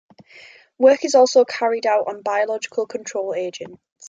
Work is also carried out on biological control agents.